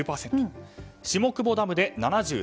下久保ダムで７３％